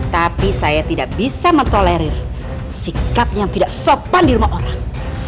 tapi saya tidak bisa mentolerir sikap yang tidak sopan di rumah orang